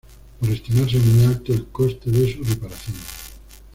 Por estimarse muy alto el coste de su reparación.